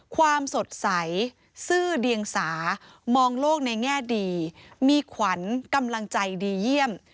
ความสดใสซื่อเดียงสามองโลกในแง่ดีมีขวัญกำลังใจดีเยี่ยม